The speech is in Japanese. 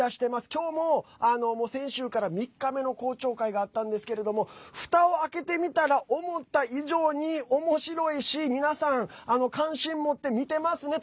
きょうも、先週から３日目の公聴会があったんですけどもふたを開けてみたら思った以上におもしろいし皆さん、関心持って見てますね。